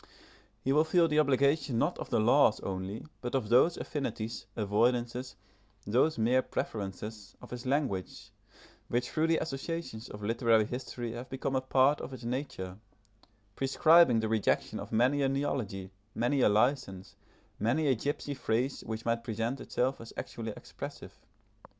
He will feel the obligation not of the laws only, but of those affinities, avoidances, those mere preferences, of his language, which through the associations of literary history have become a part of its nature, prescribing the rejection of many a neology, many a license, many a gipsy phrase which might present itself as actually expressive.